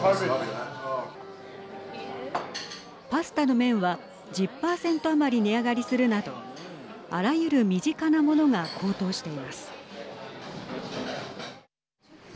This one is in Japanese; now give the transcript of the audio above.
パスタの麺は１０％余り値上がりするなどあらゆる身近なものが高騰しています。